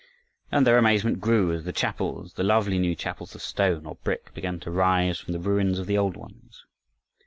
And their amazement grew as the chapels, the lovely new chapels of stone or brick, began to rise from the ruins of the old ones.